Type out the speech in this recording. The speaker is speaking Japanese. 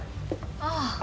ああ。